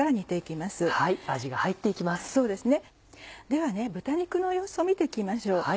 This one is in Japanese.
では豚肉の様子を見て行きましょう。